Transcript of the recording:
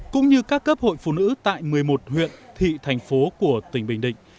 cũng như các cấp hội phụ nữ tại một mươi một huyện thị thành phố của tỉnh bình định